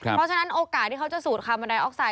เพราะฉะนั้นโอกาสที่เขาจะสูดคาร์บันไดออกไซด